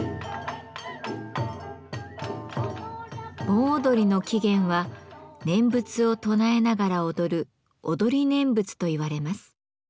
盆踊りの起源は念仏を唱えながら踊る踊り念仏といわれます。